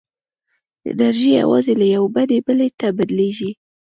انرژي یوازې له یوې بڼې بلې ته بدلېږي.